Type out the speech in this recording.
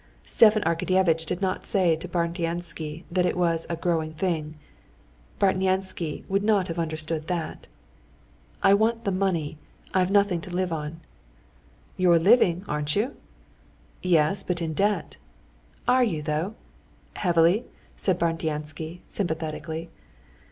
Stepan Arkadyevitch did not say to Bartnyansky that it was a "growing thing"—Bartnyansky would not have understood that. "I want the money, I've nothing to live on." "You're living, aren't you?" "Yes, but in debt." "Are you, though? Heavily?" said Bartnyansky sympathetically.